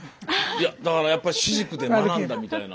いやだからやっぱり私塾で学んだみたいな。